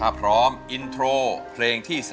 อันดับนี้เป็นแบบนี้